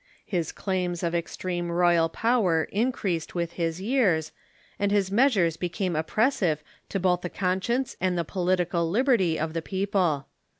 His claims of extreme royal power increased with his years, and his measures became op pressive to both the conscience and the political liberty of the people.